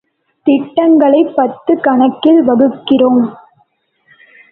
திட்டங்களைப் பத்துக் கணக்கில் வகுக்கிறோம்.